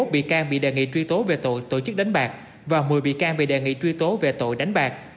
hai mươi một vị can bị đề nghị truy tố về tội tổ chức đánh bạc và một mươi vị can bị đề nghị truy tố về tội đánh bạc